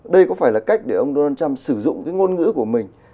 đây có phải là cách để ông donald trump sử dụng cái ngôn ngữ của mình